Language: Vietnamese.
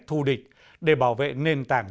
thù địch để bảo vệ nền tảng